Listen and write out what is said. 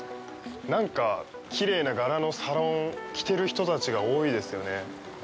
なんかきれいな柄のサロン着てる人たちが多いですよね。